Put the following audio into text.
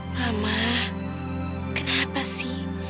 mama kenapa sih